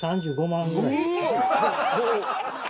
３５万ぐらい。